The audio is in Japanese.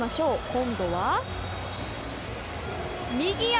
今度は、右足！